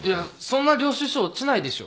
そんな領収書落ちないでしょ。